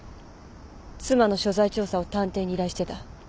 妻の所在調査を探偵に依頼してた。